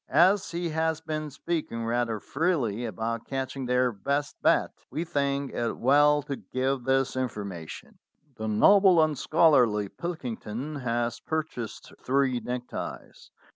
As he has been speaking rather freely about catching their best bat, we think it well to give this information. "The noble and scholarly Pilkington has purchased three neckties.